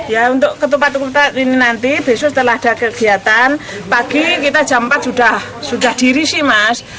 ya untuk ketupat ketupat ini nanti besok setelah ada kegiatan pagi kita jam empat sudah diri sih mas